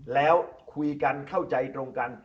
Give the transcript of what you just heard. แล้วคุยกันเข้าใจตรงกัน